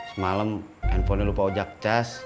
semalam handphonenya lupa ojak cas